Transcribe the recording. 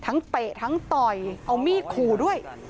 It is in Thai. ทั้งเปะทั้งต่อยเอามี่ขู่ด้วย